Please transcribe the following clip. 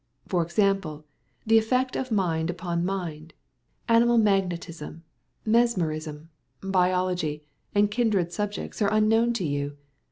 For example, the effect of mind upon mind, animal magnetism, mesmerism, biology, and kindred subjects are unknown to you.